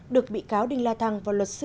được bị cáo đinh la thăng